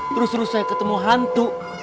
terus terus saya ketemu hantu